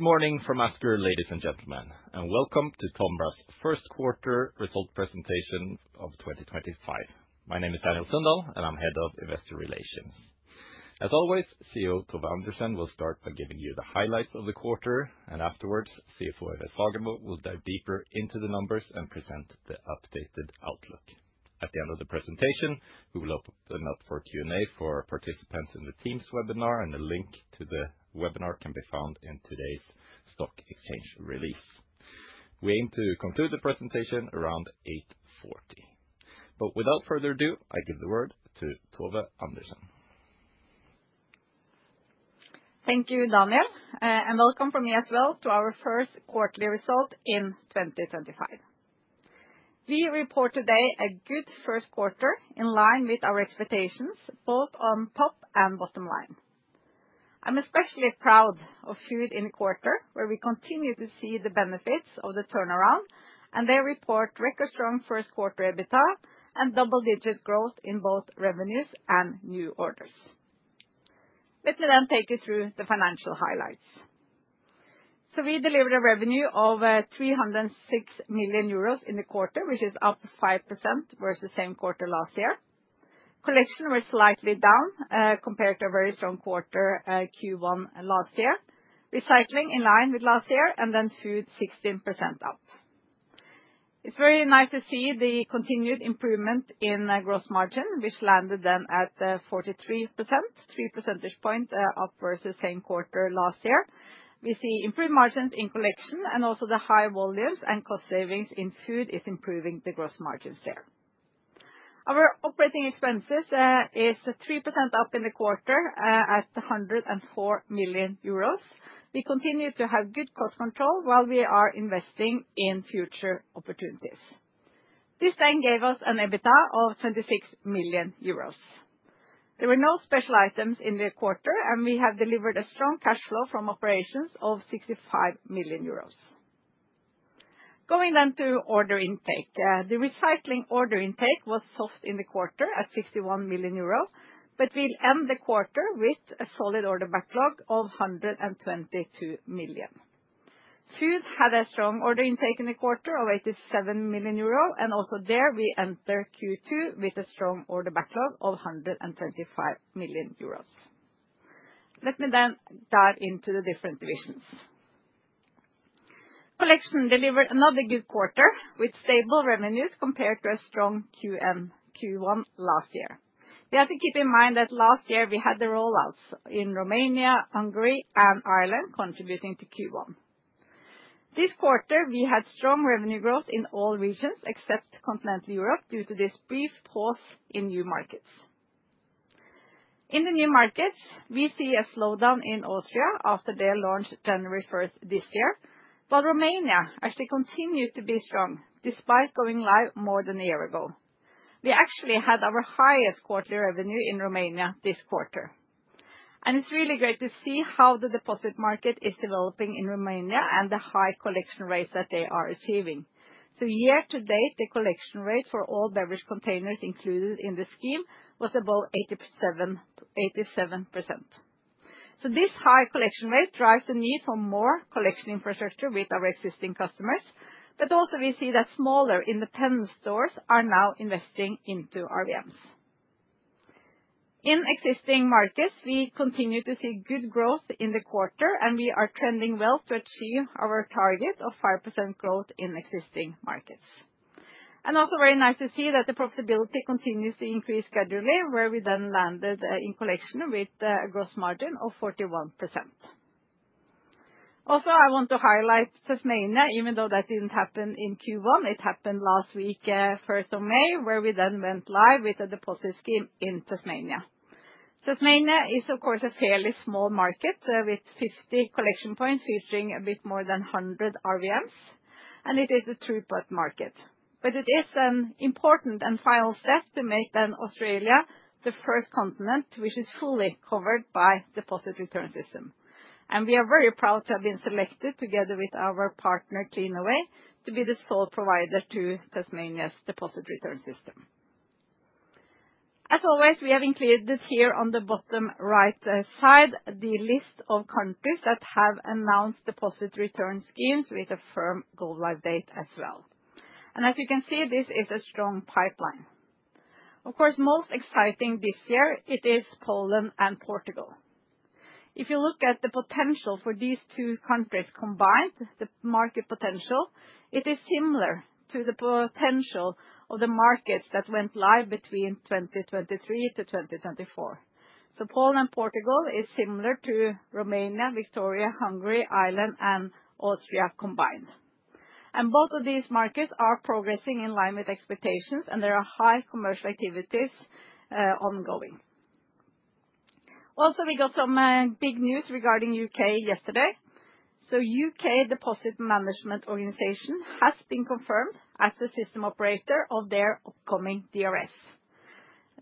Good morning from Asker, ladies and gentlemen, and welcome to TOMRA's first quarter result presentation of 2025. My name is Daniel Sundahl, and I'm Head of Investor Relations. As always, CEO Tove Andersen will start by giving you the highlights of the quarter, and afterwards, CFO Eva Sagemo will dive deeper into the numbers and present the updated outlook. At the end of the presentation, we will open up for Q&A for participants in the Teams webinar, and a link to the webinar can be found in today's stock exchange release. We aim to conclude the presentation around 8:40. Without further ado, I give the word to Tove Andersen. Thank you, Daniel, and welcome from me as well to our first quarterly result in 2025. We report today a good first quarter in line with our expectations, both on top and bottom line. I'm especially proud of Food in Quarter, where we continue to see the benefits of the turnaround and their report: record-strong first quarter EBITDA and double-digit growth in both revenues and new orders. Let me then take you through the financial highlights. We delivered a revenue of 306 million euros in the quarter, which is up 5% versus the same quarter last year. Collections were slightly down compared to a very strong quarter Q1 last year, recycling in line with last year, and then food 16% up. It's very nice to see the continued improvement in gross margin, which landed then at 43%, 3 percentage points up versus the same quarter last year. We see improved margins in collection and also the high volumes and cost savings in food are improving the gross margins there. Our operating expenses are 3% up in the quarter at 104 million euros. We continue to have good cost control while we are investing in future opportunities. This then gave us an EBITDA of 26 million euros. There were no special items in the quarter, and we have delivered a strong cash flow from operations of 65 million euros. Going then to order intake, the recycling order intake was soft in the quarter at 61 million euro, but we will end the quarter with a solid order backlog of 122 million. Food had a strong order intake in the quarter of 87 million euro, and also there we entered Q2 with a strong order backlog of 125 million euros. Let me then dive into the different divisions. Collection delivered another good quarter with stable revenues compared to a strong Q1 last year. We have to keep in mind that last year we had the rollouts in Romania, Hungary, and Ireland contributing to Q1. This quarter, we had strong revenue growth in all regions except continental Europe due to this brief pause in new markets. In the new markets, we see a slowdown in Austria after they launched January 1 this year, while Romania actually continued to be strong despite going live more than a year ago. We actually had our highest quarterly revenue in Romania this quarter. It is really great to see how the deposit market is developing in Romania and the high collection rates that they are achieving. Year to date, the collection rate for all beverage containers included in the scheme was above 87%. This high collection rate drives the need for more collection infrastructure with our existing customers, but also we see that smaller independent stores are now investing into RVMs. In existing markets, we continue to see good growth in the quarter, and we are trending well to achieve our target of 5% growth in existing markets. It is also very nice to see that the profitability continues to increase gradually, where we then landed in collection with a gross margin of 41%. I also want to highlight Tasmania, even though that did not happen in Q1. It happened last week, 1st of May, where we then went live with the deposit scheme in Tasmania. Tasmania is, of course, a fairly small market with 50 collection points featuring a bit more than 100 RVMs, and it is a throughput market. It is an important and final step to make Australia the first continent which is fully covered by the deposit return system. We are very proud to have been selected together with our partner CleanAway to be the sole provider to Tasmania's deposit return system. As always, we have included here on the bottom right side the list of countries that have announced deposit return schemes with a firm go-live date as well. As you can see, this is a strong pipeline. Of course, most exciting this year, it is Poland and Portugal. If you look at the potential for these two countries combined, the market potential, it is similar to the potential of the markets that went live between 2023 to 2024. Poland and Portugal is similar to Romania, Victoria, Hungary, Ireland, and Austria combined. Both of these markets are progressing in line with expectations, and there are high commercial activities ongoing. Also, we got some big news regarding the U.K. yesterday. The U.K. Deposit Management Organization has been confirmed as the system operator of their upcoming DRS.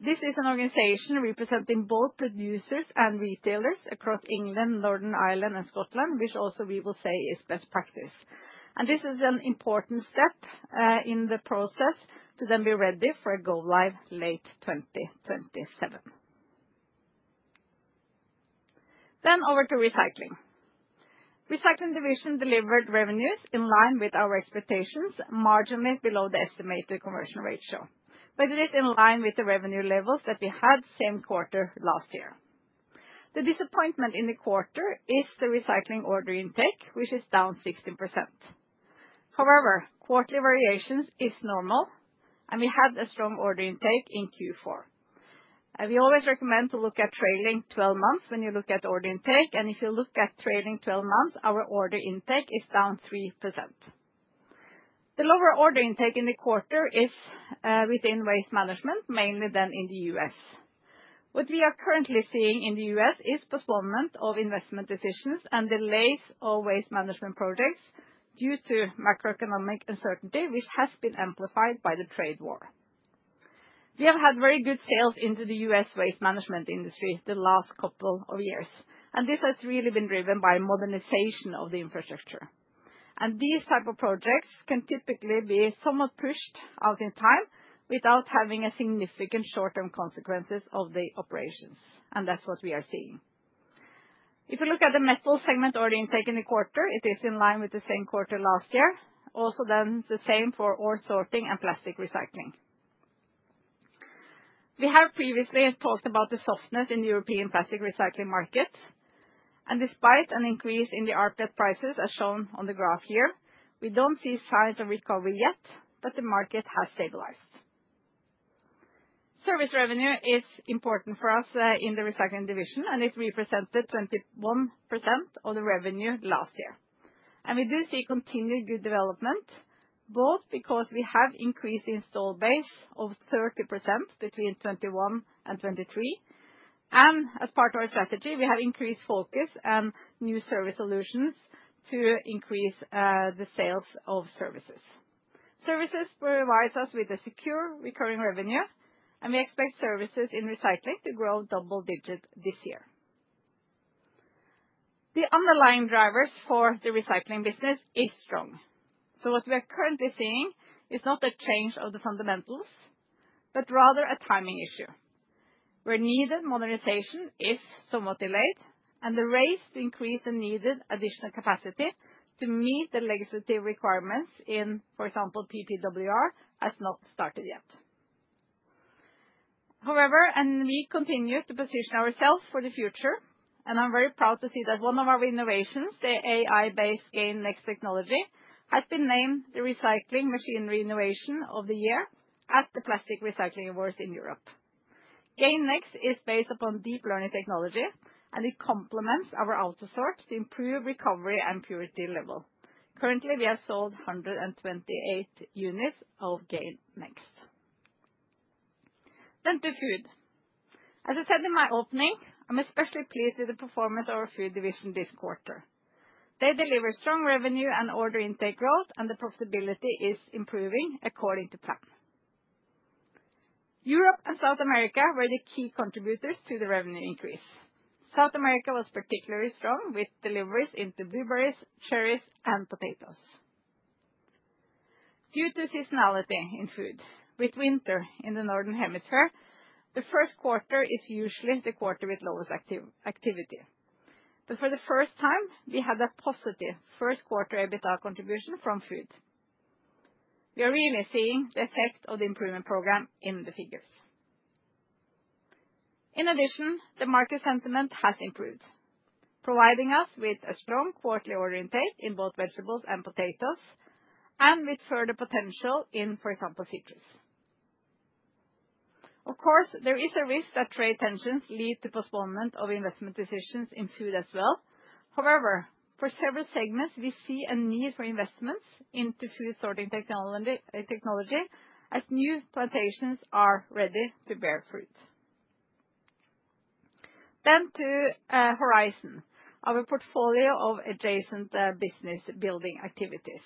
This is an organization representing both producers and retailers across England, Northern Ireland, and Scotland, which also we will say is best practice. This is an important step in the process to then be ready for a go-live late 2027. Over to recycling. The recycling division delivered revenues in line with our expectations, marginally below the estimated conversion ratio, but it is in line with the revenue levels that we had same quarter last year. The disappointment in the quarter is the recycling order intake, which is down 16%. However, quarterly variations are normal, and we had a strong order intake in Q4. We always recommend to look at trailing 12 months when you look at order intake, and if you look at trailing 12 months, our order intake is down 3%. The lower order intake in the quarter is within waste management, mainly then in the U.S. What we are currently seeing in the U.S. is postponement of investment decisions and delays of waste management projects due to macroeconomic uncertainty, which has been amplified by the trade war. We have had very good sales into the U.S. waste management industry the last couple of years, and this has really been driven by modernization of the infrastructure. These types of projects can typically be somewhat pushed out in time without having significant short-term consequences of the operations, and that's what we are seeing. If you look at the metal segment order intake in the quarter, it is in line with the same quarter last year. Also the same for all sorting and plastic recycling. We have previously talked about the softness in the European plastic recycling market, and despite an increase in the RPET prices as shown on the graph here, we do not see signs of recovery yet, but the market has stabilized. Service revenue is important for us in the recycling division, and it represented 21% of the revenue last year. We do see continued good development, both because we have increased the install base of 30% between 2021 and 2023, and as part of our strategy, we have increased focus and new service solutions to increase the sales of services. Services provide us with a secure recurring revenue, and we expect services in recycling to grow double-digit this year. The underlying drivers for the recycling business are strong. What we are currently seeing is not a change of the fundamentals, but rather a timing issue. Where needed modernization is somewhat delayed, and the race to increase the needed additional capacity to meet the legislative requirements in, for example, PPWR has not started yet. However, we continue to position ourselves for the future, and I'm very proud to see that one of our innovations, the AI-based GAIN Next technology, has been named the Recycling Machinery Innovation of the Year at the Plastic Recycling Awards in Europe. GAIN Next is based upon deep learning technology, and it complements our Autosort to improve recovery and purity level. Currently, we have sold 128 units of GAIN Next. To food. As I said in my opening, I'm especially pleased with the performance of our food division this quarter. They deliver strong revenue and order intake growth, and the profitability is improving according to plan. Europe and South America were the key contributors to the revenue increase. South America was particularly strong with deliveries into blueberries, cherries, and potatoes. Due to seasonality in food, with winter in the northern hemisphere, the first quarter is usually the quarter with lowest activity. For the first time, we had a positive first quarter EBITDA contribution from food. We are really seeing the effect of the improvement program in the figures. In addition, the market sentiment has improved, providing us with a strong quarterly order intake in both vegetables and potatoes, and with further potential in, for example, citrus. Of course, there is a risk that trade tensions lead to postponement of investment decisions in food as well. However, for several segments, we see a need for investments into food sorting technology as new plantations are ready to bear fruit. To Horizon, our portfolio of adjacent business building activities.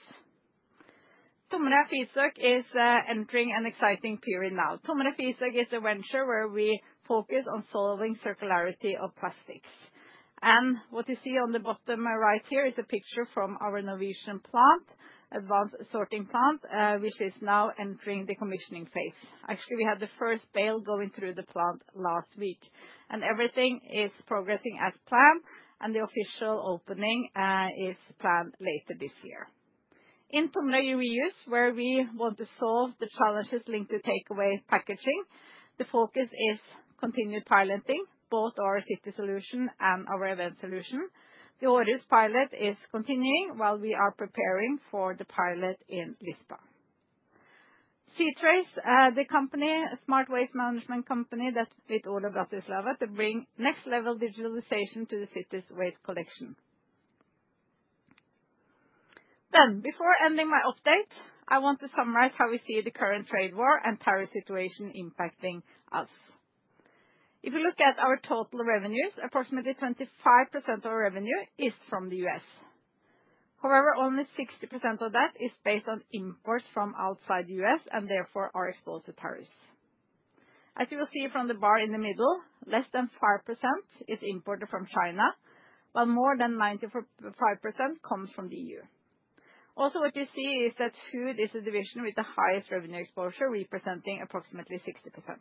TOMRA Fysak is entering an exciting period now. TOMRA Fysak is a venture where we focus on solving circularity of plastics. What you see on the bottom right here is a picture from our Norwegian plant, Advanced Sorting Plant, which is now entering the commissioning phase. Actually, we had the first bale going through the plant last week, and everything is progressing as planned, and the official opening is planned later this year. In TOMRA UV USE, where we want to solve the challenges linked to takeaway packaging, the focus is continued piloting both our city solution and our event solution. The ORUS pilot is continuing while we are preparing for the pilot in Lisbon. SeaTrace, the company, a smart waste management company that, with all of Bratislava, to bring next-level digitalization to the city's waste collection. Before ending my update, I want to summarize how we see the current trade war and tariff situation impacting us. If you look at our total revenues, approximately 25% of our revenue is from the US. However, only 60% of that is based on imports from outside the U.S. and therefore are exposed to tariffs. As you will see from the bar in the middle, less than 5% is imported from China, while more than 95% comes from the EU. Also, what you see is that food is a division with the highest revenue exposure, representing approximately 60%.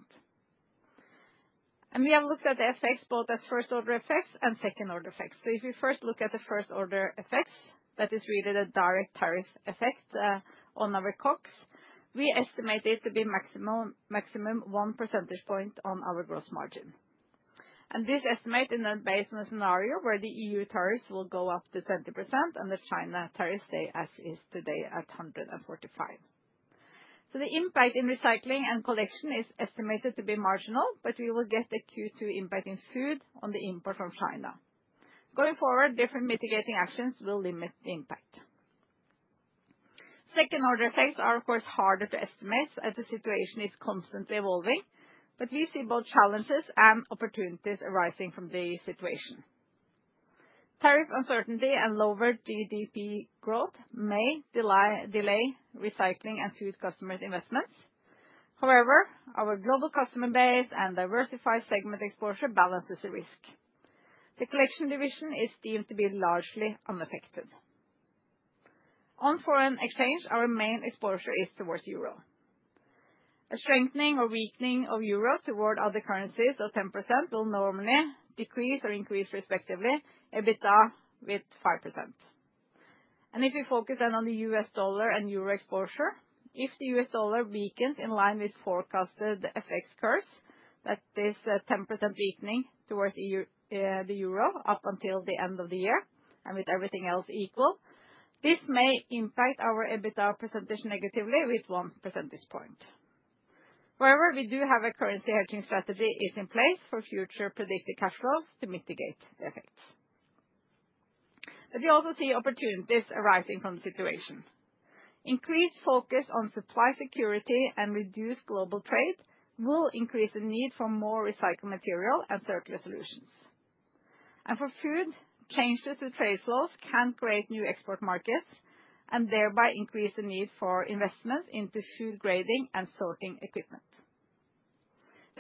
We have looked at the effects both as first-order effects and second-order effects. If we first look at the first-order effects, that is really the direct tariff effect on our COGS, we estimate it to be a maximum 1 percentage point on our gross margin. This estimate is then based on a scenario where the EU tariffs will go up to 20% and the China tariffs stay as is today at 14%. The impact in recycling and collection is estimated to be marginal, but we will get the Q2 impact in food on the import from China. Going forward, different mitigating actions will limit the impact. Second-order effects are, of course, harder to estimate as the situation is constantly evolving, but we see both challenges and opportunities arising from the situation. Tariff uncertainty and lower GDP growth may delay recycling and food customers' investments. However, our global customer base and diversified segment exposure balances the risk. The collection division is deemed to be largely unaffected. On foreign exchange, our main exposure is towards euro. A strengthening or weakening of euro toward other currencies of 10% will normally decrease or increase respectively EBITDA with 5%. If we focus then on the US dollar and euro exposure, if the US dollar weakens in line with forecasted effects curve, that is a 10% weakening towards the euro up until the end of the year and with everything else equal, this may impact our EBITDA percentage negatively with one percentage point. However, we do have a currency hedging strategy in place for future predicted cash flows to mitigate the effects. We also see opportunities arising from the situation. Increased focus on supply security and reduced global trade will increase the need for more recycled material and circular solutions. For food, changes to trade flows can create new export markets and thereby increase the need for investments into food grading and sorting equipment.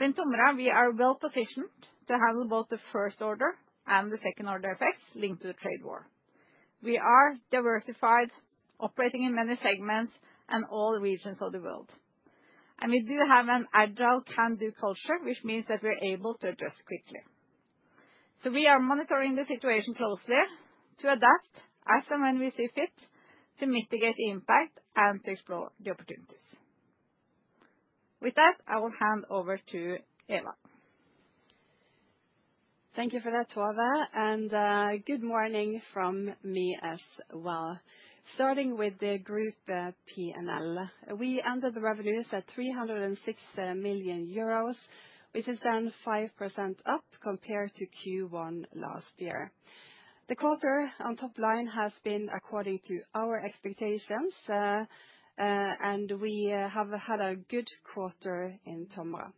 In TOMRA, we are well positioned to handle both the first-order and the second-order effects linked to the trade war. We are diversified, operating in many segments and all regions of the world. We do have an agile can-do culture, which means that we're able to adjust quickly. We are monitoring the situation closely to adapt as and when we see fit to mitigate the impact and to explore the opportunities. With that, I will hand over to Eva. Thank you for that, Tove, and good morning from me as well. Starting with the group P&L, we ended the revenues at 306 million euros, which is then 5% up compared to Q1 last year. The quarter on top line has been according to our expectations, and we have had a good quarter in TOMRA.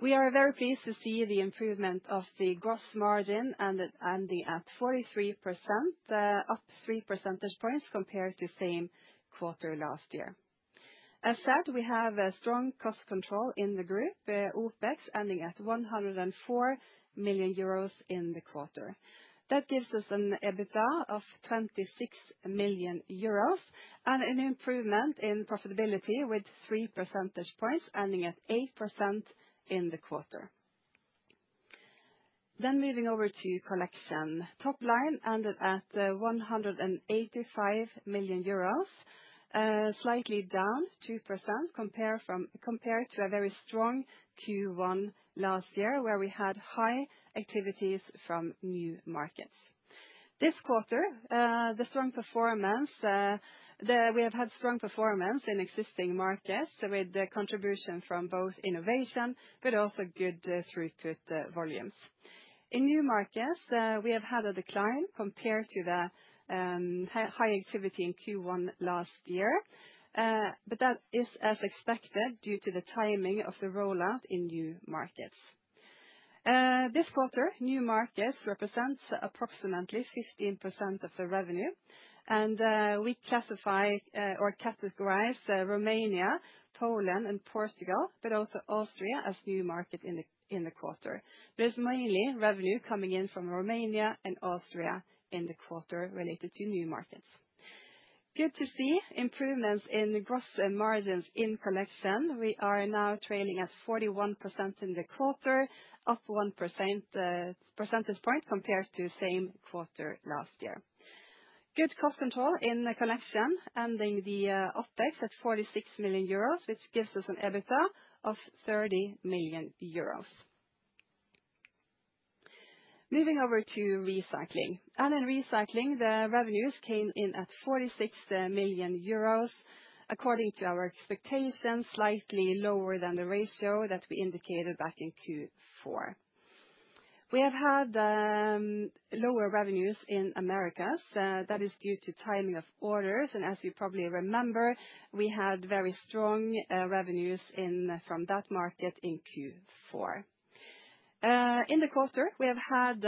We are very pleased to see the improvement of the gross margin and ending at 43%, up 3 percentage points compared to the same quarter last year. As said, we have a strong cost control in the group, OPEX ending at 104 million euros in the quarter. That gives us an EBITDA of 26 million euros and an improvement in profitability with 3 percentage points ending at 8% in the quarter. Moving over to collection, top line ended at 185 million euros, slightly down 2% compared to a very strong Q1 last year where we had high activities from new markets. This quarter, the strong performance, we have had strong performance in existing markets with the contribution from both innovation, but also good throughput volumes. In new markets, we have had a decline compared to the high activity in Q1 last year, but that is as expected due to the timing of the rollout in new markets. This quarter, new markets represent approximately 15% of the revenue, and we classify or categorize Romania, Poland, and Portugal, but also Austria as new markets in the quarter. There is mainly revenue coming in from Romania and Austria in the quarter related to new markets. Good to see improvements in gross margins in collection. We are now trailing at 41% in the quarter, up 1 percentage point compared to the same quarter last year. Good cost control in collection ending the OPEX at 46 million euros, which gives us an EBITDA of 30 million euros. Moving over to recycling. In recycling, the revenues came in at 46 million euros, according to our expectations, slightly lower than the ratio that we indicated back in Q4. We have had lower revenues in America. That is due to timing of orders. As you probably remember, we had very strong revenues from that market in Q4. In the quarter, we have had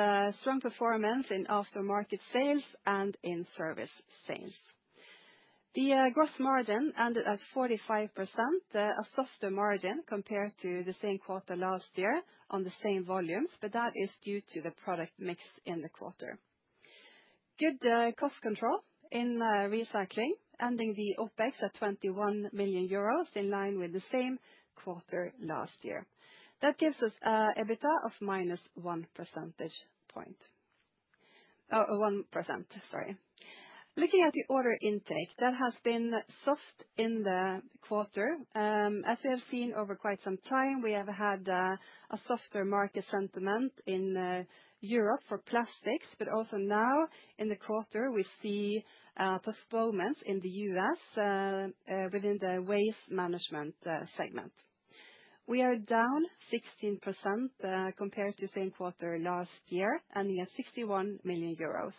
strong performance in aftermarket sales and in service sales. The gross margin ended at 45%, a softer margin compared to the same quarter last year on the same volumes, but that is due to the product mix in the quarter. Good cost control in recycling ending the OPEX at 21 million euros in line with the same quarter last year. That gives us EBITDA of minus 1 percentage point. 1%, sorry. Looking at the order intake, that has been soft in the quarter. As we have seen over quite some time, we have had a softer market sentiment in Europe for plastics, but also now in the quarter, we see postponements in the U.S. within the waste management segment. We are down 16% compared to the same quarter last year, ending at 61 million euros.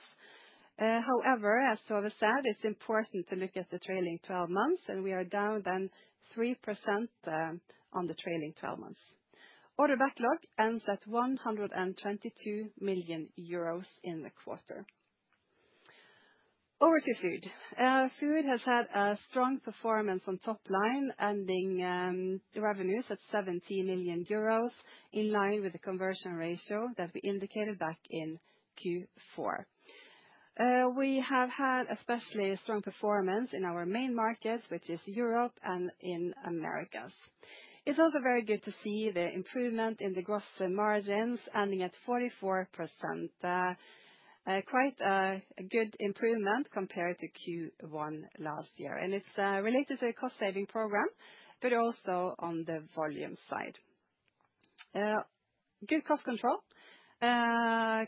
However, as Tove said, it's important to look at the trailing 12 months, and we are down then 3% on the trailing 12 months. Order backlog ends at 122 million euros in the quarter. Over to food. Food has had a strong performance on top line, ending revenues at 17 million euros in line with the conversion ratio that we indicated back in Q4. We have had especially strong performance in our main markets, which is Europe and in Americas. It's also very good to see the improvement in the gross margins ending at 44%. Quite a good improvement compared to Q1 last year. It is related to the cost-saving program, but also on the volume side. Good cost control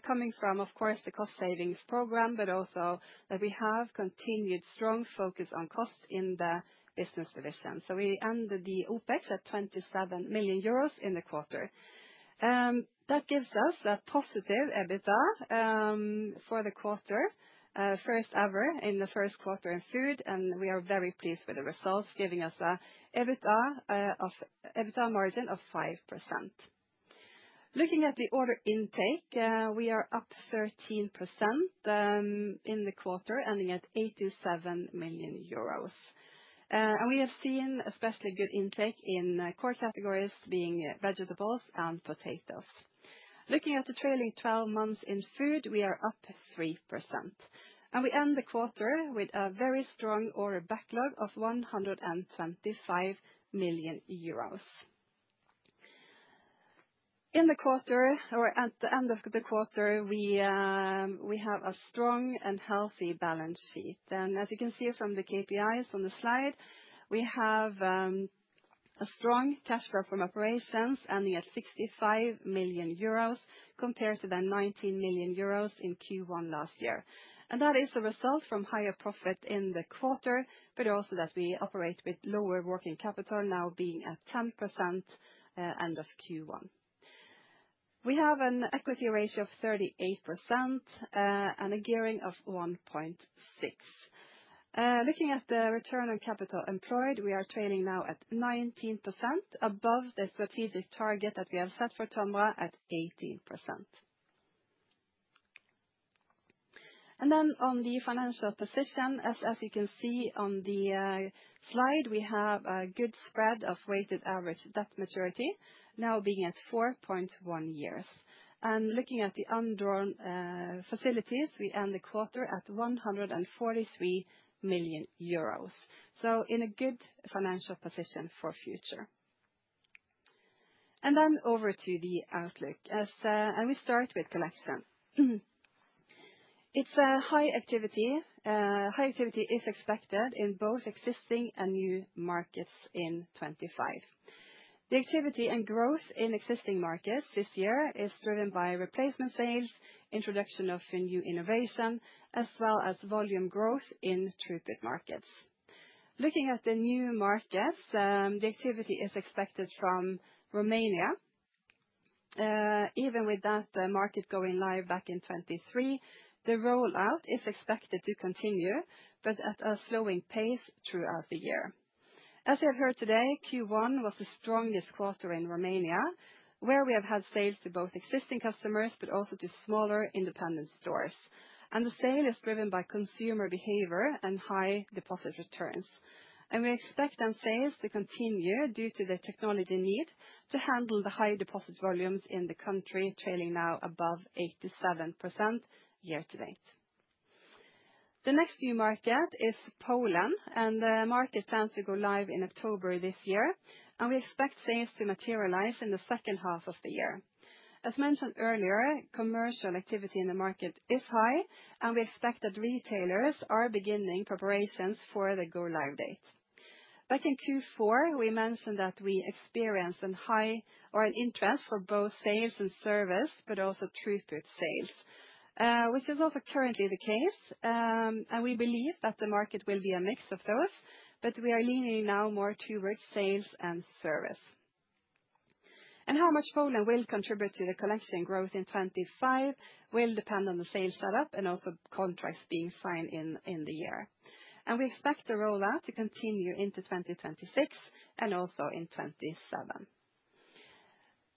coming from, of course, the cost-savings program, but also that we have continued strong focus on cost in the business division. We ended the OPEX at 27 million euros in the quarter. That gives us a positive EBITDA for the quarter, first ever in the first quarter in food, and we are very pleased with the results, giving us an EBITDA margin of 5%. Looking at the order intake, we are up 13% in the quarter, ending at 87 million euros. We have seen especially good intake in core categories being vegetables and potatoes. Looking at the trailing 12 months in food, we are up 3%. We end the quarter with a very strong order backlog of 125 million euros. In the quarter, or at the end of the quarter, we have a strong and healthy balance sheet. As you can see from the KPIs on the slide, we have a strong cash flow from operations ending at 65 million euros compared to 19 million euros in Q1 last year. That is a result from higher profit in the quarter, but also that we operate with lower working capital now being at 10% end of Q1. We have an equity ratio of 38% and a gearing of 1.6. Looking at the return on capital employed, we are trailing now at 19% above the strategic target that we have set for TOMRA at 18%. On the financial position, as you can see on the slide, we have a good spread of weighted average debt maturity now being at 4.1 years. Looking at the undrawn facilities, we end the quarter at 143 million euros. We are in a good financial position for future. Over to the outlook, we start with collection. It is a high activity. High activity is expected in both existing and new markets in 2025. The activity and growth in existing markets this year is driven by replacement sales, introduction of new innovation, as well as volume growth in throughput markets. Looking at the new markets, the activity is expected from Romania. Even with that market going live back in 2023, the rollout is expected to continue, but at a slowing pace throughout the year. As you have heard today, Q1 was the strongest quarter in Romania, where we have had sales to both existing customers, but also to smaller independent stores. The sale is driven by consumer behavior and high deposit returns. We expect them sales to continue due to the technology need to handle the high deposit volumes in the country, trailing now above 87% year to date. The next new market is Poland, and the market plans to go live in October this year, and we expect sales to materialize in the second half of the year. As mentioned earlier, commercial activity in the market is high, and we expect that retailers are beginning preparations for the go-live date. Back in Q4, we mentioned that we experience a high or an interest for both sales and service, but also throughput sales, which is also currently the case. We believe that the market will be a mix of those, but we are leaning now more towards sales and service. How much Poland will contribute to the collection growth in 2025 will depend on the sales setup and also contracts being signed in the year. We expect the rollout to continue into 2026 and also in 2027.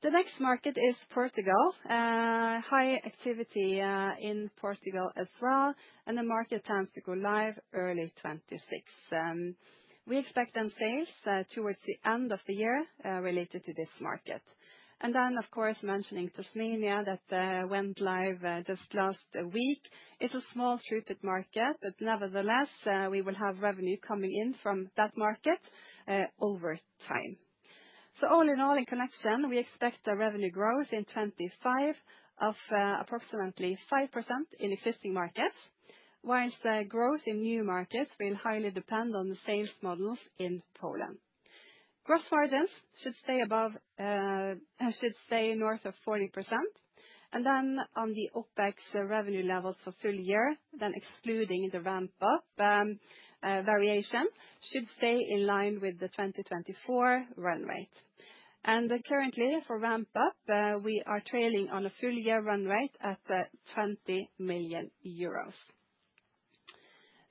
The next market is Portugal. High activity in Portugal as well, and the market plans to go live early 2026. We expect sales towards the end of the year related to this market. Of course, mentioning Tasmania that went live just last week. It is a small throughput market, but nevertheless, we will have revenue coming in from that market over time. All in all, in collection, we expect a revenue growth in 2025 of approximately 5% in existing markets, while the growth in new markets will highly depend on the sales models in Poland. Gross margins should stay above, should stay north of 40%. On the OPEX revenue levels for full year, excluding the ramp-up variation, these should stay in line with the 2024 run rate. Currently, for ramp-up, we are trailing on a full year run rate at 20 million euros.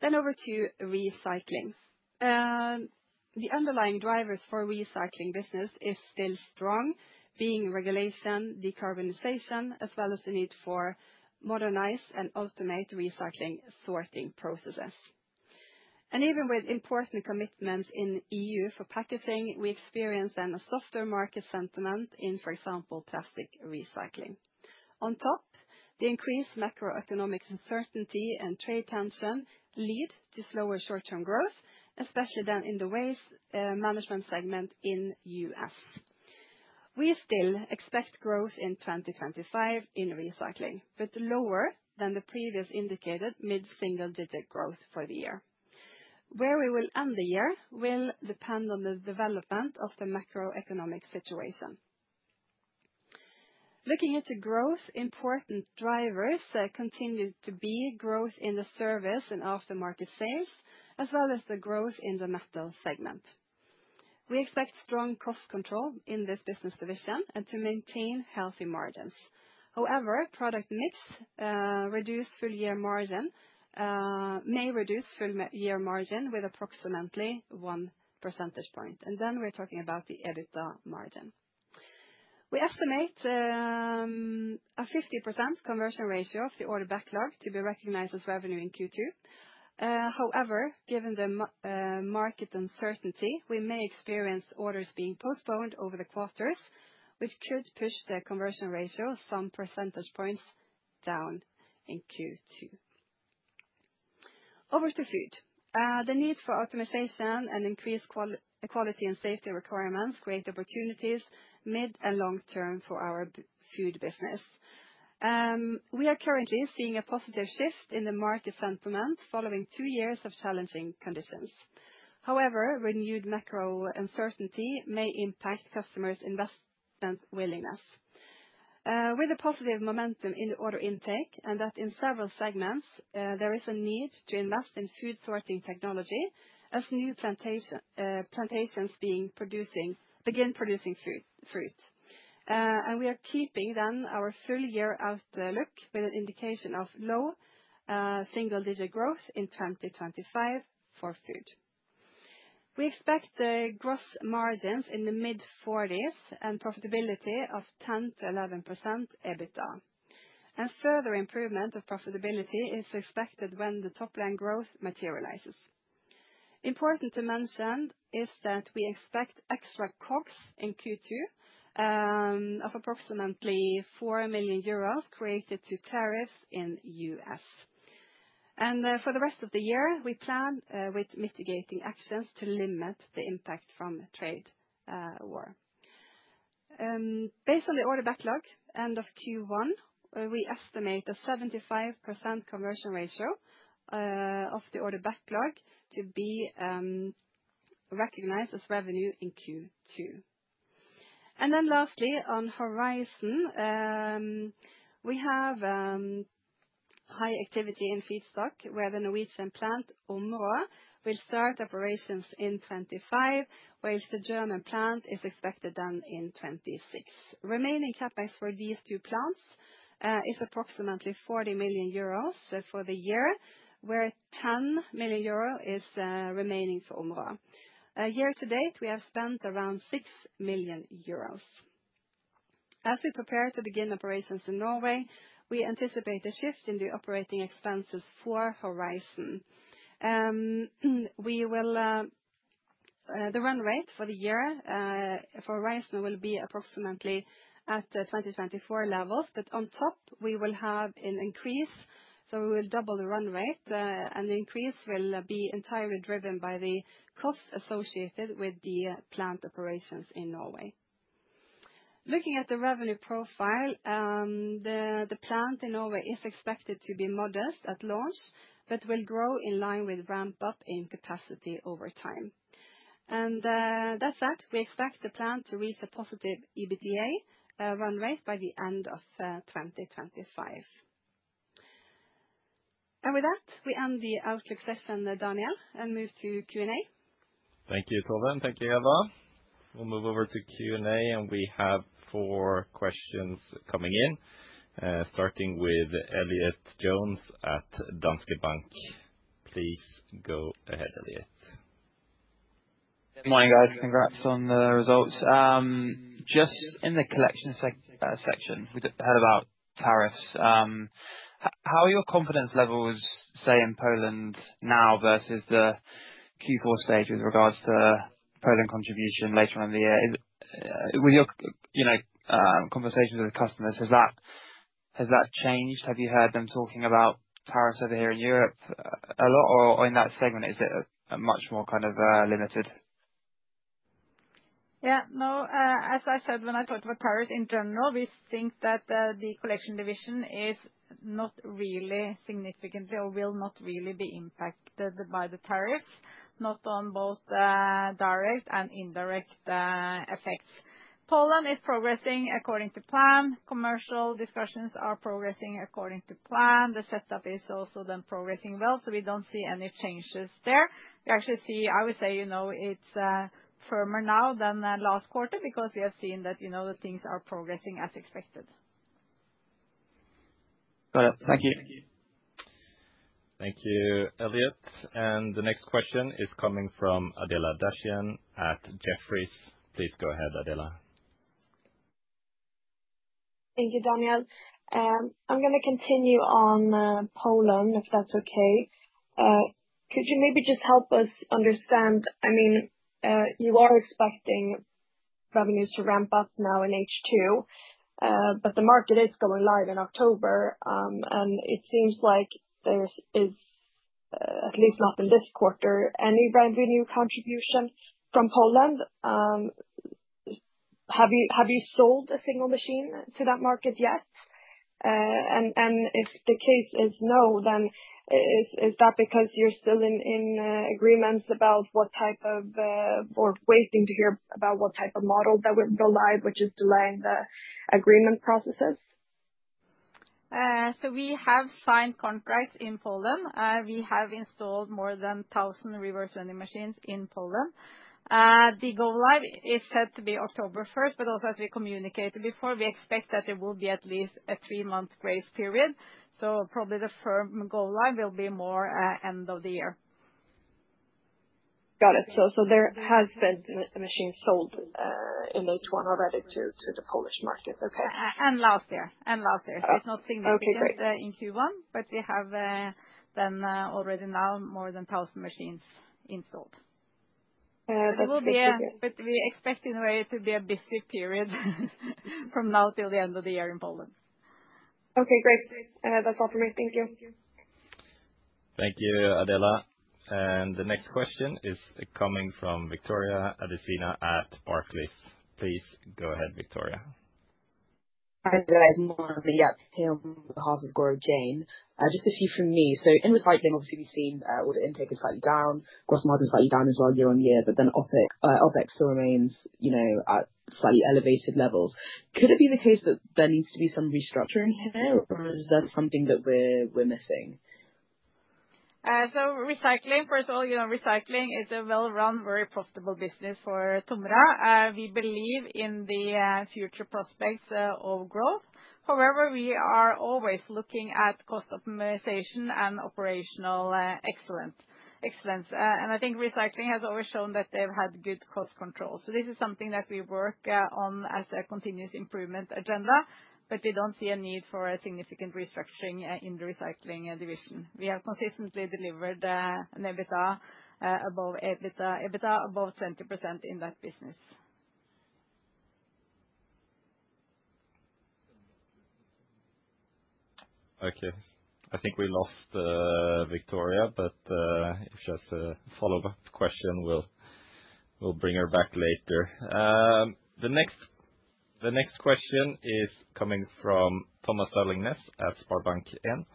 Over to recycling. The underlying drivers for the recycling business are still strong, being regulation, decarbonization, as well as the need for modernized and automated recycling sorting processes. Even with important commitments in the EU for packaging, we experience a softer market sentiment in, for example, plastic recycling. On top, the increased macroeconomic uncertainty and trade tension lead to slower short-term growth, especially in the waste management segment in the U.S. We still expect growth in 2025 in recycling, but lower than the previously indicated mid-single digit growth for the year. Where we will end the year will depend on the development of the macroeconomic situation. Looking into growth, important drivers continue to be growth in the service and aftermarket sales, as well as the growth in the metal segment. We expect strong cost control in this business division and to maintain healthy margins. However, product mix may reduce full year margin with approximately 1 percentage point. We are talking about the EBITDA margin. We estimate a 50% conversion ratio of the order backlog to be recognized as revenue in Q2. However, given the market uncertainty, we may experience orders being postponed over the quarters, which could push the conversion ratio some percentage points down in Q2. Over to food. The need for optimization and increased quality and safety requirements create opportunities mid and long term for our food business. We are currently seeing a positive shift in the market sentiment following two years of challenging conditions. However, renewed macro uncertainty may impact customers' investment willingness. With a positive momentum in order intake and that in several segments, there is a need to invest in food sorting technology as new plantations begin producing fruit. We are keeping then our full year outlook with an indication of low single-digit growth in 2025 for food. We expect the gross margins in the mid-40% and profitability of 10-11% EBITDA. Further improvement of profitability is expected when the top-line growth materializes. Important to mention is that we expect extra COGS in Q2 of approximately 4 million euros created to tariffs in the US. For the rest of the year, we plan with mitigating actions to limit the impact from trade war. Based on the order backlog end of Q1, we estimate a 75% conversion ratio of the order backlog to be recognized as revenue in Q2. Lastly, on Horizon, we have high activity in feedstock where the Norwegian plant Områ will start operations in 2025, while the German plant is expected in 2026. Remaining CapEx for these two plants is approximately 40 million euros for the year, where 10 million euros is remaining for Områ. Year to date, we have spent around 6 million euros. As we prepare to begin operations in Norway, we anticipate a shift in the operating expenses for Horizon. The run rate for the year for Horizon will be approximately at 2024 levels, but on top, we will have an increase, so we will double the run rate, and the increase will be entirely driven by the costs associated with the plant operations in Norway. Looking at the revenue profile, the plant in Norway is expected to be modest at launch, but will grow in line with ramp-up in capacity over time. That said, we expect the plant to reach a positive EBITDA run rate by the end of 2025. With that, we end the outlook session, Daniel, and move to Q&A. Thank you, Tove. Thank you, Eva. We'll move over to Q&A, and we have four questions coming in, starting with Elliot Jones at Danske Bank. Please go ahead, Elliot. Good morning, guys. Congrats on the results. Just in the collection section, we had about tariffs. How are your confidence levels, say, in Poland now versus the Q4 stage with regards to Poland contribution later on in the year? With your conversations with customers, has that changed? Have you heard them talking about tariffs over here in Europe a lot, or in that segment, is it much more kind of limited? Yeah, no. As I said, when I talked about tariffs in general, we think that the collection division is not really significant or will not really be impacted by the tariffs, not on both direct and indirect effects. Poland is progressing according to plan. Commercial discussions are progressing according to plan. The setup is also then progressing well, so we do not see any changes there. We actually see, I would say, it is firmer now than last quarter because we have seen that the things are progressing as expected. Got it. Thank you. Thank you, Elliot. The next question is coming from Adela Dashian at Jefferies. Please go ahead, Adela. Thank you, Daniel. I am going to continue on Poland, if that is okay. Could you maybe just help us understand? I mean, you are expecting revenues to ramp up now in H2, but the market is going live in October, and it seems like there is, at least not in this quarter, any revenue contribution from Poland. Have you sold a single machine to that market yet? If the case is no, then is that because you're still in agreements about what type of, or waiting to hear about what type of model that will go live, which is delaying the agreement processes? We have signed contracts in Poland. We have installed more than 1,000 reverse vending machines in Poland. The go-live is set to be October 1, but also as we communicated before, we expect that there will be at least a three-month grace period. Probably the firm go-live will be more end of the year. Got it. There has been a machine sold in H1 already to the Polish market, okay? And last year. And last year. It is not significant in Q1, but we have then already now more than 1,000 machines installed. There will be, but we expect in a way to be a busy period from now till the end of the year in Poland. Okay, great. That is all for me. Thank you. Thank you, Adela. The next question is coming from Victoria Adesina at Barclays. Please go ahead, Victoria. Hi, there. Good morning. Yep, Pim Harvengor Jane. Just a few from me. In recycling, obviously, we have seen order intake is slightly down, gross margin slightly down as well year-on-year, but then OPEX still remains at slightly elevated levels. Could it be the case that there needs to be some restructuring here, or is that something that we are missing? Recycling, first of all, recycling is a well-run, very profitable business for TOMRA. We believe in the future prospects of growth. However, we are always looking at cost optimization and operational excellence. I think recycling has always shown that they've had good cost control. This is something that we work on as a continuous improvement agenda, but we do not see a need for a significant restructuring in the recycling division. We have consistently delivered an EBITDA above 20% in that business. Okay. I think we lost Victoria, but if she has a follow-up question, we will bring her back later. The next question is coming from Thomas Dowling Næss at SpareBank Inn.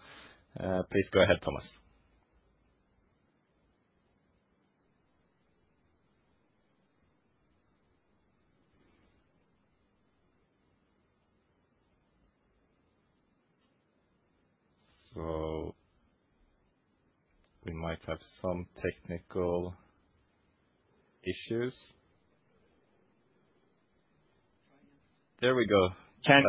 Please go ahead, Thomas. We might have some technical issues. There we go. Can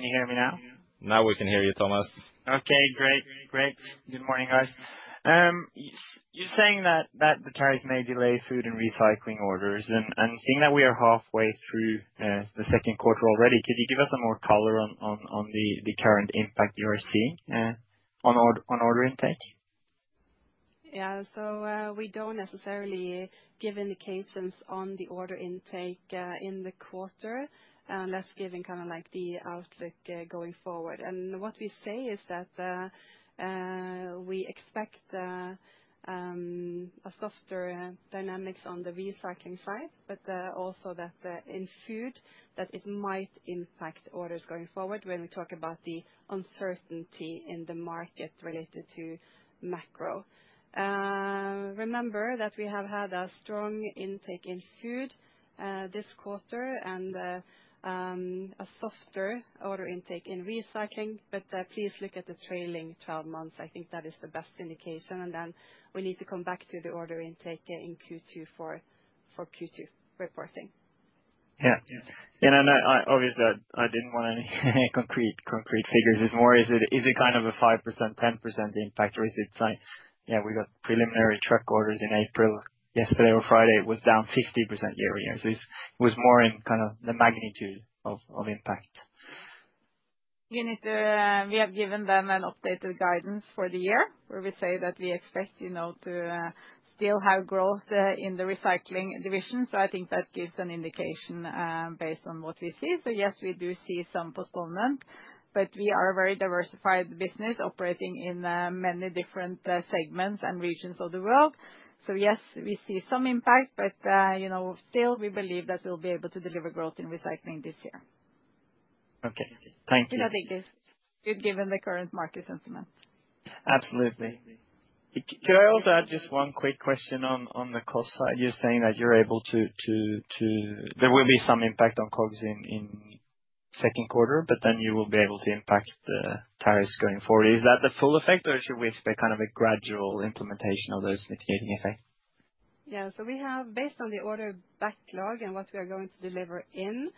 you hear me now? Now we can hear you, Thomas. Okay, great. Great. Good morning, guys. You're saying that the tariffs may delay food and recycling orders, and seeing that we are halfway through the second quarter already, could you give us more color on the current impact you are seeing on order intake? Yeah. We do not necessarily give indications on the order intake in the quarter, unless giving kind of like the outlook going forward. What we say is that we expect a softer dynamic on the recycling side, but also that in food, it might impact orders going forward when we talk about the uncertainty in the market related to macro. Remember that we have had a strong intake in food this quarter and a softer order intake in recycling, but please look at the trailing 12 months. I think that is the best indication, and then we need to come back to the order intake in Q2 for Q2 reporting. Yeah. Obviously, I did not want any concrete figures. It is more, is it kind of a 5%, 10% impact, or is it like, yeah, we got preliminary truck orders in April yesterday or Friday, it was down 50% year-on-year. It was more in kind of the magnitude of impact. We have given them an updated guidance for the year, where we say that we expect to still have growth in the recycling division. I think that gives an indication based on what we see. Yes, we do see some postponement, but we are a very diversified business operating in many different segments and regions of the world. Yes, we see some impact, but still, we believe that we'll be able to deliver growth in recycling this year. Okay. Thank you. I think it's good given the current market sentiment. Absolutely. Could I also add just one quick question on the cost side? You're saying that you're able to, there will be some impact on COGS in second quarter, but then you will be able to impact the tariffs going forward. Is that the full effect, or should we expect kind of a gradual implementation of those mitigating effects? Yeah. We have, based on the order backlog and what we are going to deliver in,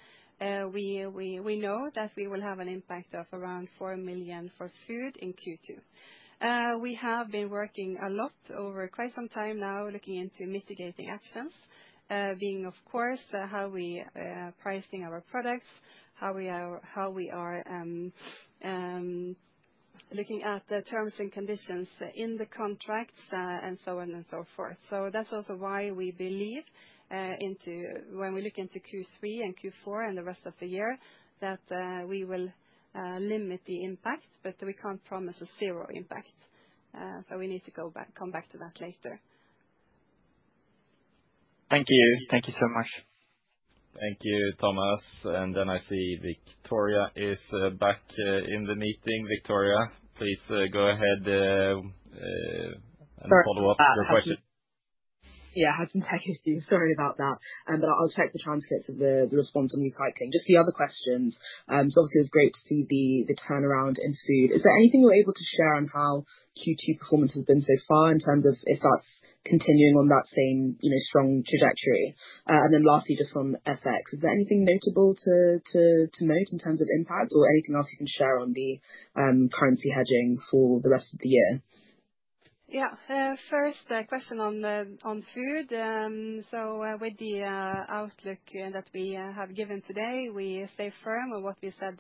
we know that we will have an impact of around 4 million for food in Q2. We have been working a lot over quite some time now looking into mitigating actions, being, of course, how we are pricing our products, how we are looking at the terms and conditions in the contracts, and so on and so forth. That is also why we believe when we look into Q3 and Q4 and the rest of the year, that we will limit the impact, but we cannot promise a zero impact. We need to come back to that later. Thank you. Thank you so much. Thank you, Thomas. I see Victoria is back in the meeting. Victoria, please go ahead and follow up your question. Yeah, I had some tech issues. Sorry about that. I will check the transcripts of the response on recycling. Just the other questions. Obviously, it was great to see the turnaround in food. Is there anything you're able to share on how Q2 performance has been so far in terms of if that's continuing on that same strong trajectory? Lastly, just on FX, is there anything notable to note in terms of impact or anything else you can share on the currency hedging for the rest of the year? Yeah. First, a question on food. With the outlook that we have given today, we stay firm on what we said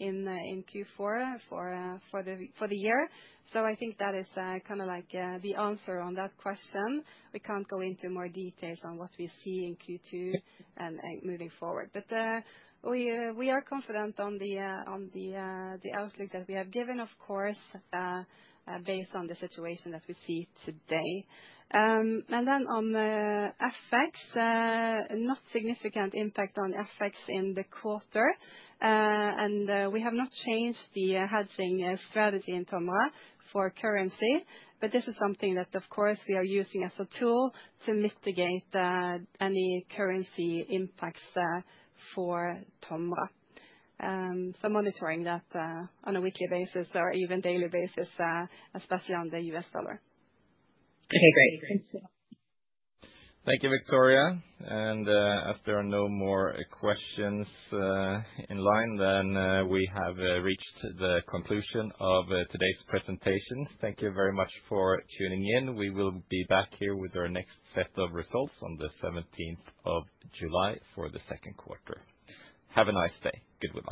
in Q4 for the year. I think that is kind of like the answer on that question. We can't go into more details on what we see in Q2 and moving forward. We are confident on the outlook that we have given, of course, based on the situation that we see today. On FX, not significant impact on FX in the quarter. We have not changed the hedging strategy in TOMRA for currency, but this is something that, of course, we are using as a tool to mitigate any currency impacts for TOMRA. We are monitoring that on a weekly basis or even daily basis, especially on the US dollar. Okay, great. Thank you, Victoria. After no more questions in line, we have reached the conclusion of today's presentation. Thank you very much for tuning in. We will be back here with our next set of results on the 17th of July for the second quarter. Have a nice day. Good luck.